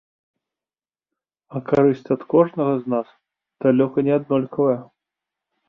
А карысць ад кожнага з нас далёка не аднолькавая.